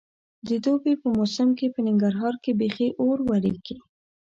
د دوبي په موسم کې په ننګرهار کې بیخي اور ورېږي.